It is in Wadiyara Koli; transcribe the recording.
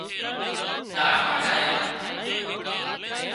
زاڙکان ٺاهيان